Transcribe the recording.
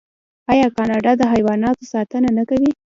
آیا کاناډا د حیواناتو ساتنه نه کوي؟